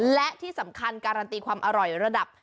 และที่สำคัญการันตีความอร่อยระดับ